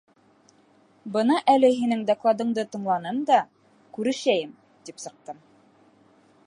Бына әле һинең докладыңды тыңланым да, күрешәйем, тип сыҡтым.